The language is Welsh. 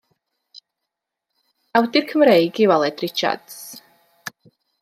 Awdur Cymreig yw Aled Richards.